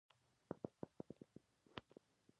عیارانو د صفاریانو سلسله منځته راوړه.